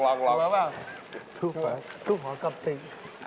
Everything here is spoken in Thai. ทุกของทุกของจำเป็น